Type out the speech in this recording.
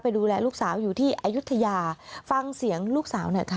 ดูแลลูกสาวอยู่ที่อายุทยาฟังเสียงลูกสาวหน่อยค่ะ